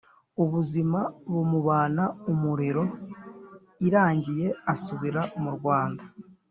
ubuzima bumubana umuriro , irangiye asubira mu rwanda